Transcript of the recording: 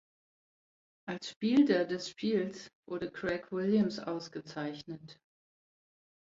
Als Spielder des Spiels wurde Craig Williams ausgezeichnet.